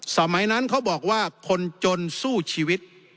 สมัยนั้นเขาบอกว่าคนจนสู้ชีวิต